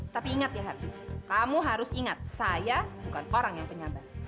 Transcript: tapi ingat ya herd kamu harus ingat saya bukan orang yang penyabar